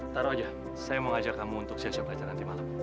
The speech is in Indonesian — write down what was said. taruh aja saya mau ajak kamu untuk siap siap aja nanti malam